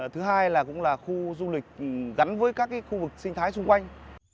thứ hai là cũng là khu du lịch gắn với các khu vực sinh thái xung quanh